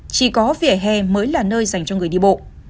chỉ có vỉa hè mới là nơi dành cho người đi bộ